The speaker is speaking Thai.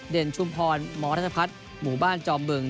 เด่นชุมพรมธรรพัฒน์หมู่บ้านจอมเบิ่ง